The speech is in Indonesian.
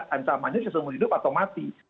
ancamannya sesungguh hidup atau mati